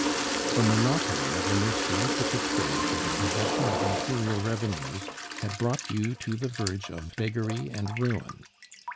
The monopoly of the most lucrative trades and the possession of imperial revenues had brought you to the verge of beggary and ruin.